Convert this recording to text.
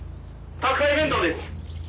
宅配弁当です」